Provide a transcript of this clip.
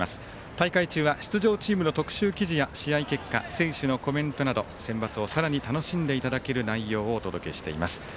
大会中は出場チームの特集記事や試合結果、選手のコメントなどセンバツを、さらに楽しんでいただける内容をお届けしています。